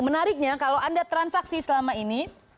menariknya kalau anda transaksi selama ini